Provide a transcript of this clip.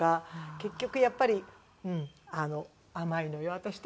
結局やっぱりあの甘いのよ私たち。